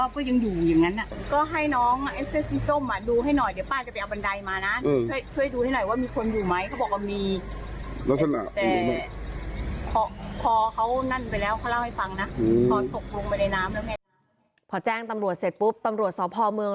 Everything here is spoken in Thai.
พอแจ้งตำรวจเสร็จปุ๊บตำรวจสพเมือง